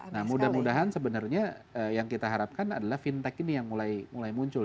nah mudah mudahan sebenarnya yang kita harapkan adalah fintech ini yang mulai muncul